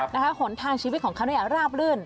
หนทางชีวิตของเขาเนี่ยราบลื่น